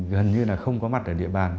gần như là không có mặt ở địa bàn